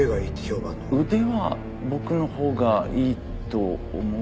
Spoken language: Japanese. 腕は僕のほうがいいと思う。